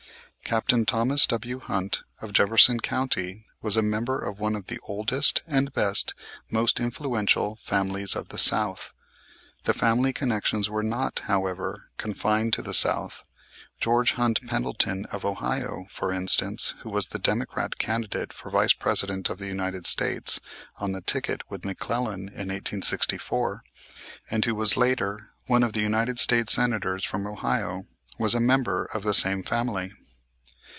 Captain Thomas W. Hunt, of Jefferson County, was a member of one of the oldest, best, and most influential families of the South. The family connections were not, however, confined to the South; George Hunt Pendelton of Ohio, for instance, who was the Democratic candidate for Vice President of the United States on the ticket with McClellan, in 1864, and who was later one of the United States Senators from Ohio, was a member of the same family.